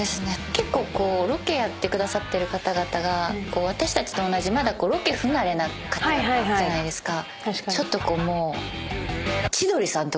結構ロケやってくださってる方々が私たちと同じまだロケ不慣れな方々じゃないですか。